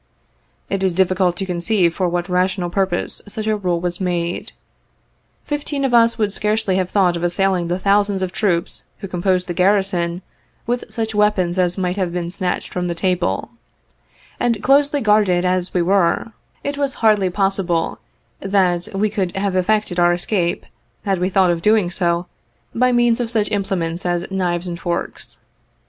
It is difficult to conceive for what rational purpose such a rule was made. Fifteen of us would scarcely have thought of assailing the thousands of troops who composed the garrison, with such weapons as might have been snatch ed from the table ; and, closely guarded as we were, it was hardly possible that we could have effected our escape, had we thought of doing so, by means of such implements as knives and forks.